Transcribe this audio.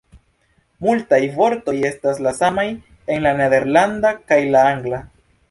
Multaj vortoj estas la samaj en la nederlanda kaj la angla.